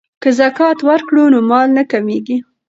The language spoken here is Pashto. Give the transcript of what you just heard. که زکات ورکړو نو مال نه کمیږي.